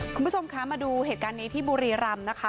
คุณผู้ชมคะมาดูเหตุการณ์นี้ที่บุรีรำนะคะ